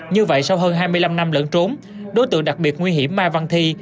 như vậy sau hơn hai mươi năm năm lẫn trốn đối tượng đặc biệt nguy hiểm mai văn thi